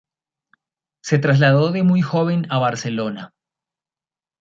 Se trasladó de muy joven a Barcelona.